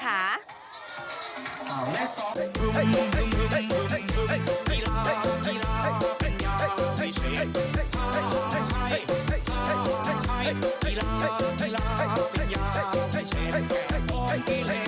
กิจกรรมกีฬาเป็นยาวให้เช็นให้บอกวิเศษทำให้คนไทยเป็นคนอื่น